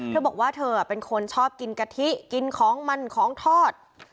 เธอบอกว่าเธอเป็นคนชอบกินกะทิกินของมันของทอด